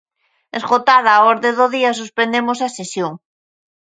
Esgotada a orde do día, suspendemos a sesión.